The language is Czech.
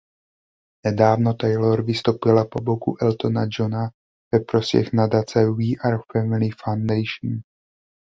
Nedávno Taylor vystoupila po boku Eltona Johna ve prospěch nadace "We Are Family Foundation".